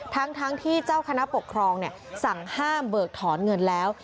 ทั้งที่เจ้าคณะปกครองสั่งห้ามเบิกถอนเงินแล้ว